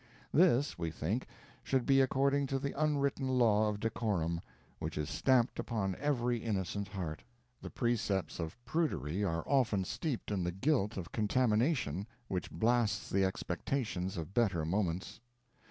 This, we think, should be according to the unwritten law of decorum, which is stamped upon every innocent heart. The precepts of prudery are often steeped in the guilt of contamination, which blasts the expectations of better moments.